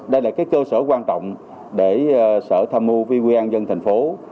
đây là cơ sở quan trọng để sở tham mưu viên quy an dân thành phố